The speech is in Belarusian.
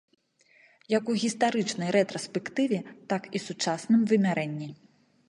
Як у гістарычнай рэтраспектыве, так і сучасным вымярэнні.